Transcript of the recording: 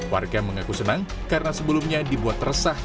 warga mengaku senang karena sebelumnya dibuat resah